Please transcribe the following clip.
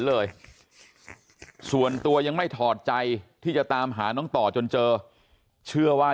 เลยส่วนตัวยังไม่ถอดใจที่จะตามหาน้องต่อจนเจอเชื่อว่า